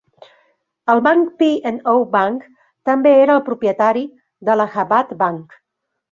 El banc P and O Bank també era el propietari d'Allahabad Bank.